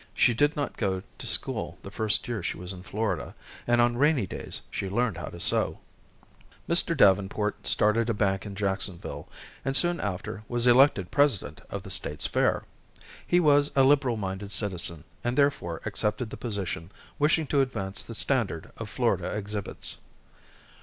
She did not go to school the first year she was in Florida, and on rainy days she learned how to sew. Mr. Davenport started a bank in Jacksonville, and soon after was elected president of the State's fair. He was a liberal minded citizen, and therefore accepted the position, wishing to advance the standard of Florida exhibits.